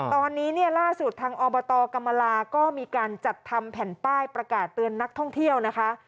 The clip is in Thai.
ตอนนี้เนี่ยล่าสุดทางอบตกรรมลาก็มีการจัดทำแผ่นป้ายประกาศเตือนนักท่องเที่ยวนะคะ